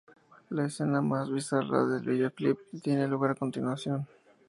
La escena más bizarra del videoclip tiene lugar a continuación.